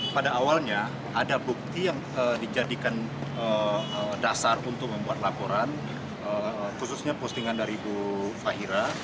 pada awalnya ada bukti yang dijadikan dasar untuk membuat laporan khususnya postingan dari bu fahira